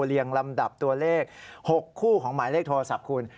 เรียงลำดับตัวเลข๖คู่ของหมายเลขโทรศัพท์คุณ